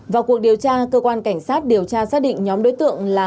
vào cuộc điều tra cơ quan cảnh sát điều tra xác định nhóm đối tượng là